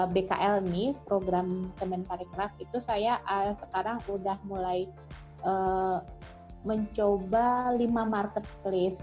bkl ini program kemenparekraf itu saya sekarang udah mulai mencoba lima marketplace